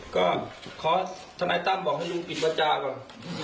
ก็ขอทนายตั้มบอกให้ลุงปิดวาจาก่อน